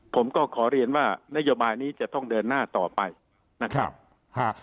ผมก็ขอเรียนว่านโยบายนี้จะต้องเดินหน้าต่อไปนะครับฮะ